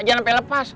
jangan sampai lepas